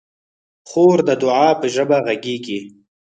خور د دعا په ژبه غږېږي.